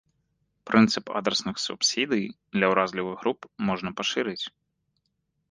Прынцып адрасных субсідый для уразлівых груп можна пашырыць.